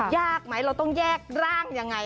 ยากไหมเราต้องแยกร่างยังไง